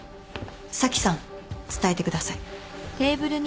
紗季さん伝えてください。